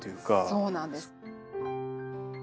そうなんです。